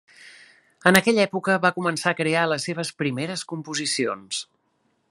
En aquella època va començar a crear les seves primeres composicions.